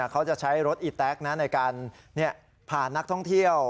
เขาจะใช้รถอีแต๊กในการผ่านนักท่องเที่ยว